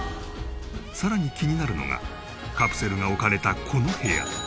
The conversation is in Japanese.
さらに気になるのがカプセルが置かれたこの部屋。